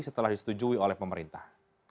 setelah disetujui oleh pemerintah